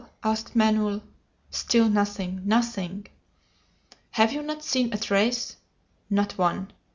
asked Manoel. "Still nothing! Nothing!" "Have you not seen a trace?" "Not one!"